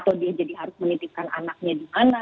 atau dia jadi harus menitipkan anaknya gimana